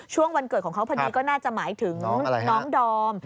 วันเกิดของเขาพอดีก็น่าจะหมายถึงน้องดอม